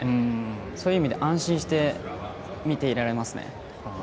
そういう意味で、安心して見ていられますね。